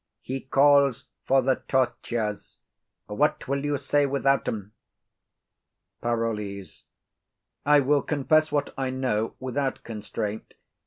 He calls for the tortures. What will you say without 'em? PAROLLES. I will confess what I know without constraint.